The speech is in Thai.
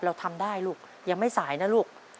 เราทำได้ลูกยังไม่สายนะลูก